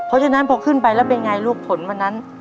เพราะฉะนั้นพอขึ้นไปแล้วเป็นไงลูกผลวันนั้น